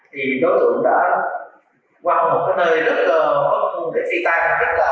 thì đối tượng đã qua một cái nơi rất là hấp dẫn để phi tan rất là